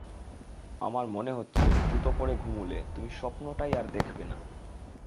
আমার মনে হচ্ছে জুতো পরে ঘুমুলে তুমি স্বপ্নটাই আর দেখবে না।